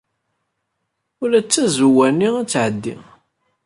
Ula d tazawwa-nni ad tɛeddi.